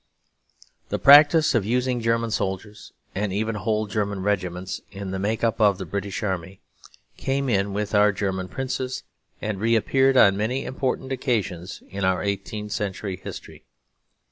The practice of using German soldiers, and even whole German regiments, in the make up of the British army, came in with our German princes, and reappeared on many important occasions in our eighteenth century history.